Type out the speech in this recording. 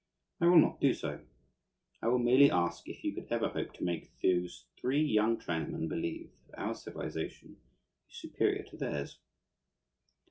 I will not do so. I will merely ask if you could ever hope to make those three young Chinamen believe that our civilization is superior to theirs.